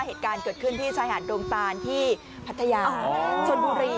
เหตุการณ์เกิดขึ้นที่ชายหาดโรงตานที่พัทยาชนบุรี